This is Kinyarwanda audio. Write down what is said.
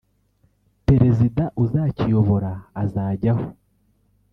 Perezida uzakiyobora azajyaho